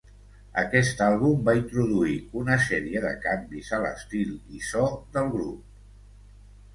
Aquest àlbum va introduir una sèrie de canvis a l'estil i so del grup.